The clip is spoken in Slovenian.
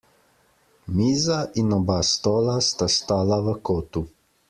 Miza in oba stola sta stala v kotu.